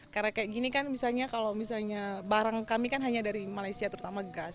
karena kayak gini kan misalnya kalau misalnya barang kami kan hanya dari malaysia terutama gas